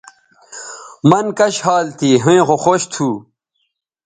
مَن کش حال تھی ھویں خو خوش تھو